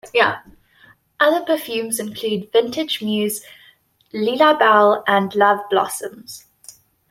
Other perfumes include Vintage Muse, Lila Belle and Love Blossoms.